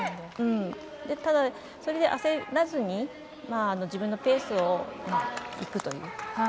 ただ、それで焦らずに自分のペースをいくという。